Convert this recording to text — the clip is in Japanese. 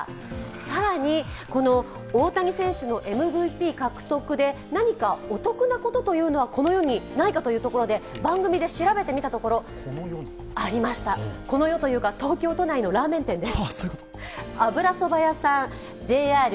更に、大谷選手のＭＶＰ獲得で何かお得なことがこの世にないかということで番組で調べてみたところ、ありました、東京都内のラーメン店です。